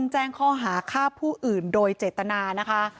แจ้งข้อหาฆ่าผู้อื่นโดยเจตนานะคะ